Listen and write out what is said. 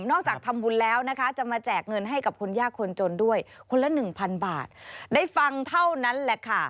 จากทำบุญแล้วนะคะจะมาแจกเงินให้กับคนยากคนจนด้วยคนละหนึ่งพันบาทได้ฟังเท่านั้นแหละค่ะ